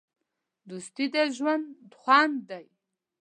دوستي د ژوند خوند دی.